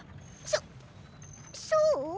そそう？